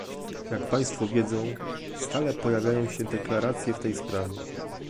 Jak państwo wiedzą, stale pojawiają się deklaracje w tej sprawie